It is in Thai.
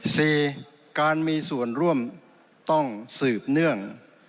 สี่การมีส่วนร่วมต้องสืบเนื่อง